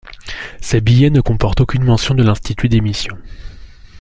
Ces billets ne comportent aucune mention de l'institut d'émission.